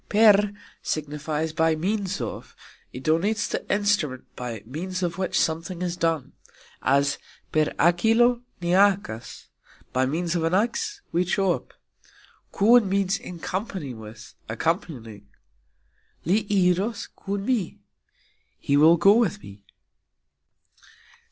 "Per" signifies "by means of"; it denotes the "instrument" by means of which something is done, as "Per hakilo ni hakas", By means of an axe we chop. "Kun" means "in company with, accompanying". "Li iros kun mi", He will go with me.